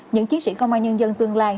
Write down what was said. những chiến sĩ công an nhân dân tương lai